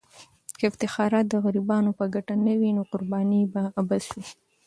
که افتخارات د غریبانو په ګټه نه وي، نو قرباني به عبث وي.